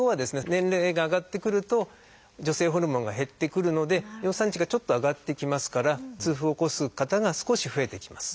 年齢が上がってくると女性ホルモンが減ってくるので尿酸値がちょっと上がってきますから痛風を起こす方が少し増えてきます。